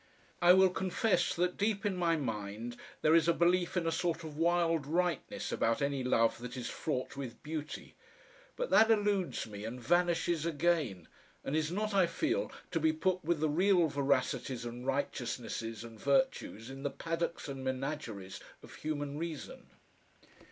I will confess that deep in my mind there is a belief in a sort of wild rightness about any love that is fraught with beauty, but that eludes me and vanishes again, and is not, I feel, to be put with the real veracities and righteousnesses and virtues in the paddocks and menageries of human reason....